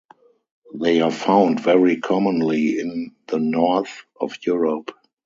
They are found very commonly in the north of Europe.